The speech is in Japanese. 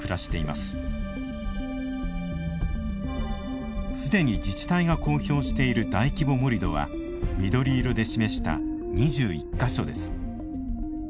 すでに自治体が公表している大規模盛土は緑色で示した２１か所です。